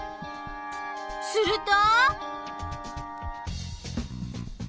すると！？